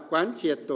quán truyền tổ quốc